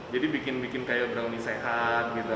jadi bikin kayak brownie sehat gitu